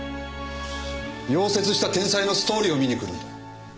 夭折した天才のストーリーを見に来るんだ。